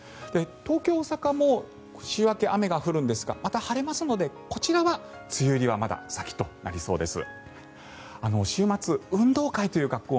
東京、大阪も週明け雨が降るんですがまた晴れますのでこちらは梅雨入りはまだ先となりそうです。